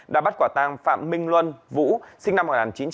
đã bắt quả tang phạm minh luân vũ sinh năm một nghìn chín trăm bảy mươi sáu